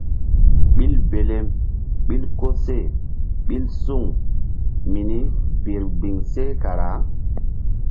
Ɓil belem ɓil koseh ɓil suŋ mini birbiŋ seh kara.